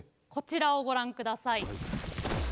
こちらをご覧ください。